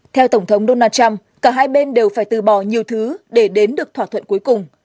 theo tổng thống donald trump cả hai bên đều phải từ bỏ nhiều thứ để đến được thỏa thuận cuối cùng